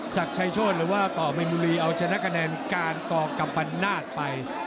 จากชัยโชนนะว่าก่อไมนมุลีเอาเจนทะกันแนนการกอบกำลับนาศไป